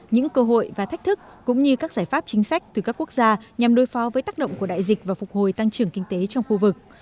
những cơ hội và thách thức cũng như các giải pháp chính sách từ các quốc gia nhằm đối phó với tác động của đại dịch và phục hồi tăng trưởng kinh tế trong khu vực